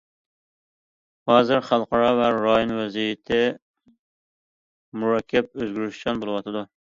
ھازىر، خەلقئارا ۋە رايون ۋەزىيىتى مۇرەككەپ، ئۆزگىرىشچان بولۇۋاتىدۇ.